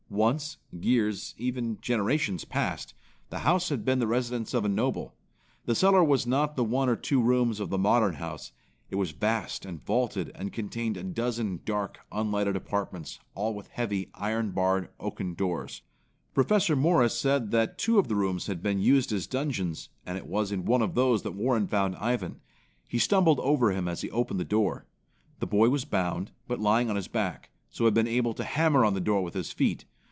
Once, years, even generations past, the house had been the residence of a noble. The cellar was not the one or two rooms of the modern house. It was vast and vaulted and contained a dozen dark, unlighted apartments, all with heavy, iron barred, oaken doors. Professor Morris said that two of the rooms had been used as dungeons and it was in one of these that Warren found Ivan. He stumbled over him as he opened the door. The boy was bound, but lying on his back, so had been able to hammer on the door with his feet.